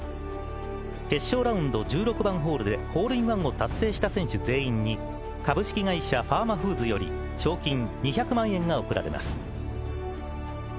決勝ラウンド１６番ホールでホールインワンを達成した選手全員に株式会社ファーマフーズより賞金２００万円が贈られます。